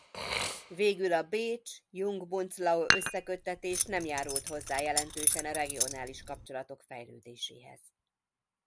Végül a Bécs-Jungbunzlau összeköttetés nem járult hozzá jelentősen a regionális kapcsolatok fejlődéséhez.